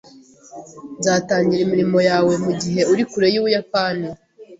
Nzatangira imirimo yawe mugihe uri kure yUbuyapani.